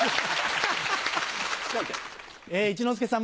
一之輔さん